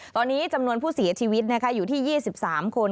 ตอนนี้จำนวนผู้เสียชีวิตอยู่ที่๒๓คน